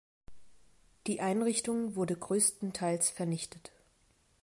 Die Einrichtung wurde größtenteils vernichtet.